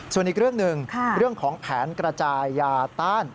ส่วนอีกเรื่องหนึ่งเรื่องของแผนกระจายยาต้าน